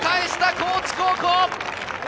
高知高校！